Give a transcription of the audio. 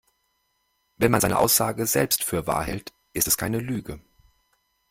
Wenn man seine Aussage selbst für wahr hält, ist es keine Lüge.